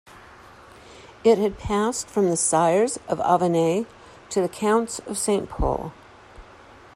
It had passed from the sires of Avesnes, to the Counts of Saint Pol.